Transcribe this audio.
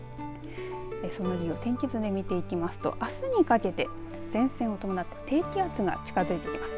その理由、天気図で見ていきますと、あすにかけて前線を伴った低気圧が近づいてきます。